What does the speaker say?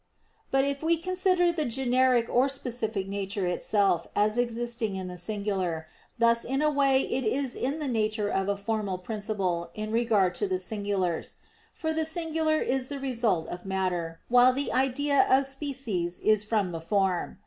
But if we consider the generic or specific nature itself as existing in the singular, thus in a way it is in the nature of a formal principle in regard to the singulars: for the singular is the result of matter, while the idea of species is from the form.